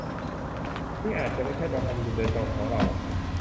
ที่อาจจะไม่ใช่บรรพบุรุษโดยตรงของเรา